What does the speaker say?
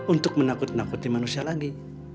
untuk menakut nakuti manusia lagi